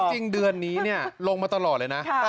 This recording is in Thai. จริงเดือนนี้ลงมาตลอดเลยนะ